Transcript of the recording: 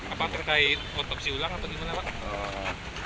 apa terkait otopsi ulang atau gimana pak